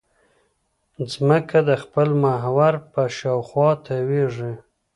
ځمکه د خپل محور په شاوخوا تاوېږي.